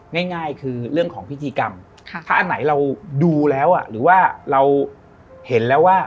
ง่ายคือเรื่องของพิธีกรรมถ้าอันไหนเราดูแล้วหรือว่าเราเห็นแล้วว่า